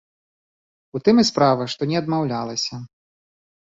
У тым і справа, што не адмаўлялася.